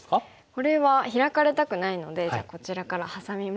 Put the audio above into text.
これはヒラかれたくないのでじゃあこちらからハサみますか。